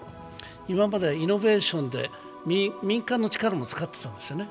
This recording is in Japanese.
今までイノベーションで民間の力も使ってたんですね。